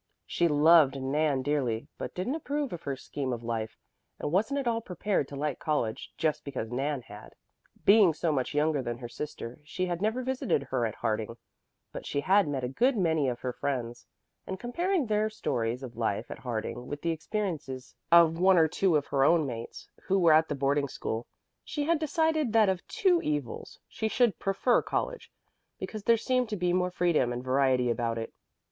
She loved Nan dearly, but didn't approve of her scheme of life, and wasn't at all prepared to like college just because Nan had. Being so much younger than her sister, she had never visited her at Harding, but she had met a good many of her friends; and comparing their stories of life at Harding with the experiences of one or two of her own mates who were at the boarding school, she had decided that of two evils she should prefer college, because there seemed to be more freedom and variety about it.